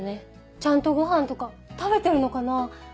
ちゃんとご飯とか食べてるのかなぁ？